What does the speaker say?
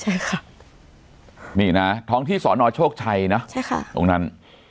ใช่ค่ะนี่นะท้องที่สอนอโชคชัยนะใช่ค่ะตรงนั้น